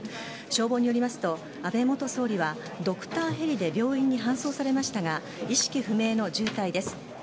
消防によりますと安倍元総理はドクターヘリで病院に搬送されましたが意識不明の重体です。